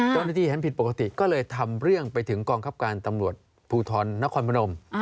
เห็นผิดปกติก็เลยทำเรื่องไปถึงกองคับการตำรวจภูทรนครพนม